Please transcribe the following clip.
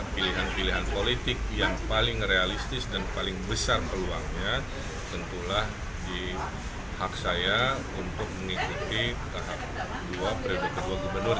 pilihan pilihan politik yang paling realistis dan paling besar peluangnya tentulah di hak saya untuk mengikuti tahap dua periode kedua gubernur